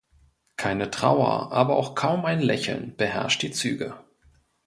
Keine Trauer, aber auch kaum ein Lächeln beherrscht die Züge.